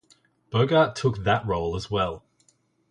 Bogart took that role as well.